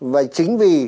và chính vì